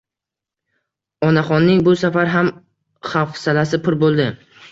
Onaxonning bu safar ham xafsalasi pir boʻldi.